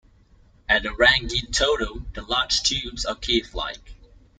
At Rangitoto the large tubes are cave-like.